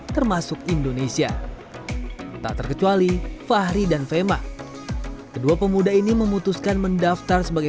termasuk indonesia tak terkecuali fahri dan fema kedua pemuda ini memutuskan mendaftar sebagai